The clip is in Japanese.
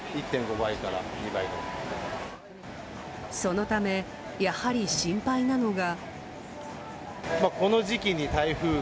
そのため、やはり心配なのが。